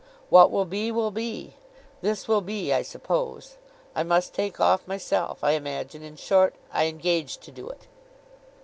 What will be, will be. This will be, I suppose. I must take off myself, I imagine—in short, I engage to do it.